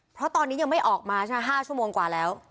เพราะตอนนี้ยังไม่ออกมาใช่ไหม๕ชั่วโมงกว่าแล้ว